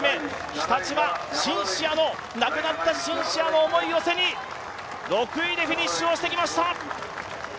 日立は亡くなったシンシアの思いを背に６位でフィニッシュをしてきました